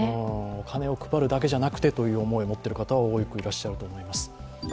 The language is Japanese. お金を配るだけじゃなくてという思いを持っている方は多くいらっしゃると思います。